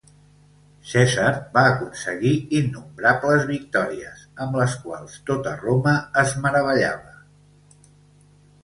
Cèsar va aconseguir innombrables victòries, amb les quals tota Roma es meravellava.